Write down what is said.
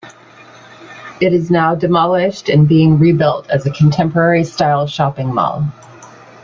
It is now demolished and being rebuilt as a contemporary style shopping mall.